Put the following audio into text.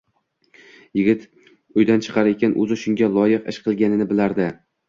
Yigit uydan chiqar ekan, o'zi shunga loyiq ish qilganini bilardi